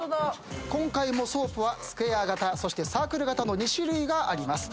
今回もソープはスクエア型サークル型の２種類があります。